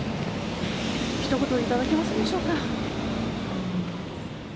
ひと言頂けますでしょうか。